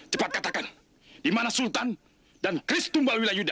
cepat katakan di mana sultan dan kristumbal wilayuda